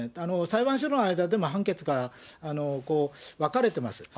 裁判所の間でも判決が分かれてます。